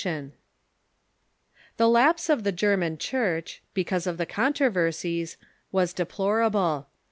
] The lapse of the German Chnrcb, because of the controver sies, was deplorable.